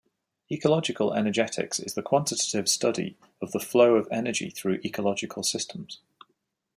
Ecological energetics is the quantitative study of the flow of energy through ecological systems.